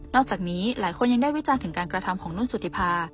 อกจากนี้หลายคนยังได้วิจารณ์ถึงการกระทำของนุ่นสุธิภา